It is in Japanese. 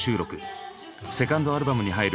セカンドアルバムに入る